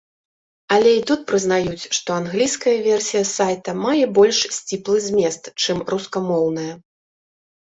Але і тут прызнаюць, што англійская версія сайта мае больш сціплы змест, чым рускамоўная.